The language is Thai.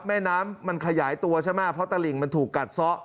แม่น้ำมันขยายตัวใช่ไหมเพราะตลิ่งมันถูกกัดซะ